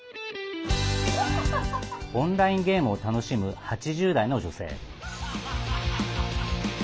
オンラインゲームを楽しむ８０代の女性。